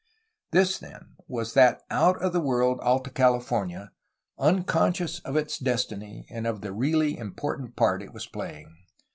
This then was that out of the world Alta California, un conscious of its destiny and of the really important part it was playing.